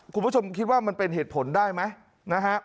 คุณผู้ชมคิดว่ามันเป็นเหตุผลได้ไหมนะฮะ